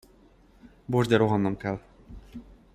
Bocs, de rohannom kell.